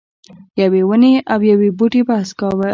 یوې ونې او یو بوټي بحث کاوه.